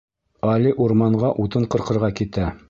Али урманға утын ҡырҡырға китә.